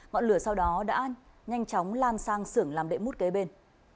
ngọn lửa sau đó đã nhanh chóng lan sang sưởng làm đệm mút kế bên